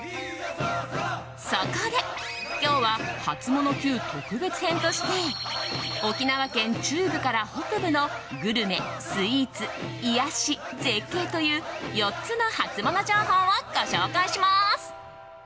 そこで、今日はハツモノＱ特別編として沖縄県中部から北部のグルメ、スイーツ、癒やし絶景という４つのハツモノ情報をご紹介します。